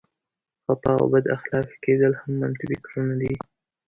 خفه او بد اخلاقه کېدل هم منفي فکرونه دي.